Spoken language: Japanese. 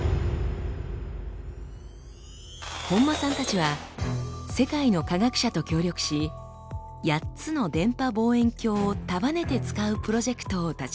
本間さんたちは世界の科学者と協力し８つの電波望遠鏡を束ねて使うプロジェクトを立ち上げました。